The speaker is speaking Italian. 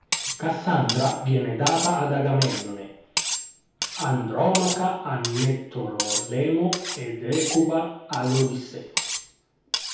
Cassandra viene data ad Agamennone, Andromaca a Neottolemo ed Ecuba ad Odisseo.